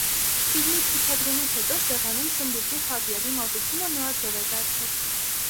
Ֆիլմի ցուցադրումից հետո սեղանին սմբուկի խավիարի մատուցումը նորաձև է դարձել.։